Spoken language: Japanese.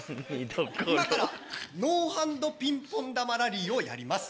今からノーハンドピンポン玉ラリーをやります。